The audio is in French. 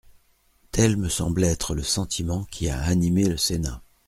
Tel me semble être le sentiment qui a animé le Sénat.